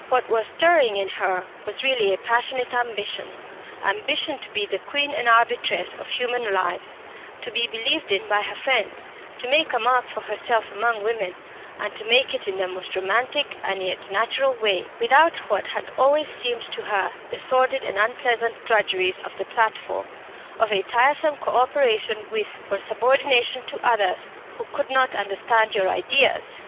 What was stirring in her was really a passionate ambition ambition to be the queen and arbitress of human lives to be believed in by her friends, to make a mark for herself among women, and to make it in the most romantic and yet natural way, without what had always seemed to her the sordid and unpleasant drudgeries of the platform, of a tiresome co operation with, or subordination to others who could not understand your ideas.